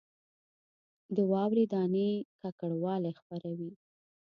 د واورې دانې ککړوالی خپروي